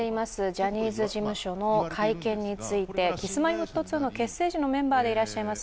ジャニーズ事務所の会見について、Ｋｉｓ−Ｍｙ−Ｆｔ２の結成時のメンバーでいらっしゃいます